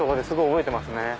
すごい覚えてますね。